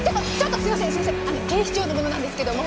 警視庁の者なんですけども。